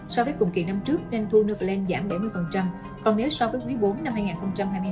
so với cùng kỳ năm trước doanh thu noveland giảm bảy mươi còn nếu so với quý iv năm hai nghìn hai mươi hai